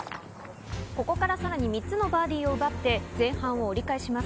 ここからさらに３つのバーディーを奪って前半を折り返します。